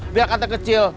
biar kata kecil